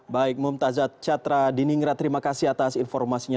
baik mumtazat catra diningrat terima kasih atas informasinya